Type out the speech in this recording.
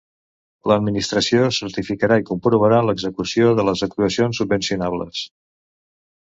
L'administració certificarà i comprovarà l'execució de les actuacions subvencionables.